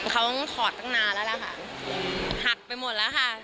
เขาถอดตั้งนานแล้วล่ะค่ะหักไปหมดแล้วค่ะ